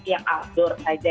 yang outdoor saja